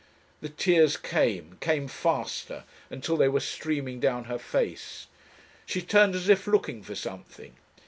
The tears came, came faster, until they were streaming down her face. She turned as if looking for something.